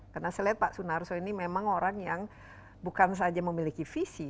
karena saya lihat pak sunarso ini memang orang yang bukan saja memiliki visi